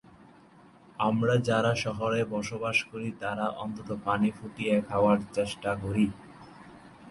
আমরা যারা শহরে বসবাস করি তারা অন্তত পানি ফুটিয়ে খাওয়ার চেষ্টা করি।